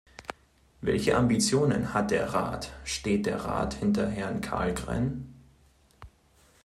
Welche Ambitionen hat der Rat steht der Rat hinter Herrn Carlgren?